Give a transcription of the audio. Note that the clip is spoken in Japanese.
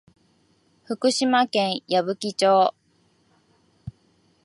福島県矢吹町